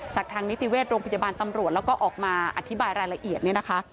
ทางนิติเวชโรงพยาบาลตำรวจแล้วก็ออกมาอธิบายรายละเอียดเนี่ยนะคะ